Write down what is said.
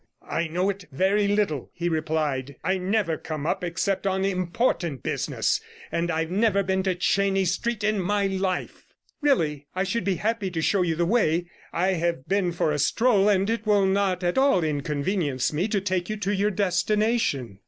'I know it very little,' he replied. 'I never come up except on important business, and I've never been to Chenies Street in my life.' 138 'Really? I should be happy to show you the way. I have been for a stroll, and it will not at all inconvenience me to take you to your destination.'